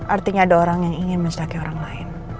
artinya ada orang yang ingin menstaki orang lain